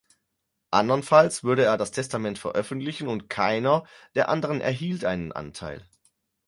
Andernfalls würde er das Testament veröffentlichen und keiner der anderen erhielte einen Anteil.